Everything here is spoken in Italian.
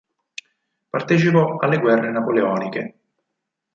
Partecipò alle Guerre napoleoniche.